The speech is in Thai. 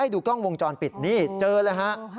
ดูกล้องวงจรปิดนี่เจอเลยฮะ